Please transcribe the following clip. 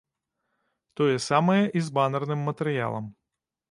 Тое самае і з банэрным матэрыялам.